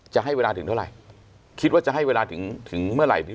จะให้เวลาถึงเท่าไหร่คิดว่าจะให้เวลาถึงถึงเมื่อไหร่